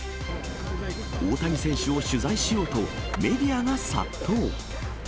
大谷選手を取材しようと、メディアが殺到。